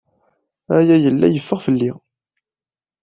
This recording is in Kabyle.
Aya yella yeffeɣ fell-i.